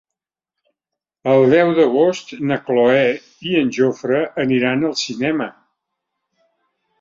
El deu d'agost na Cloè i en Jofre aniran al cinema.